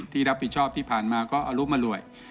ที่รับผิดชอบที่ผ่านมาก็อรุมอร่วย